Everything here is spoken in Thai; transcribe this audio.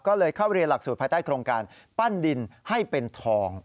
ก็เลยเข้าเรียนหลักสูตรภายใต้โครงการปั้นดินให้เป็นทอง